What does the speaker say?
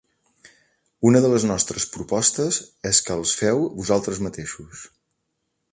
Una de les nostres propostes és que els feu vosaltres mateixos.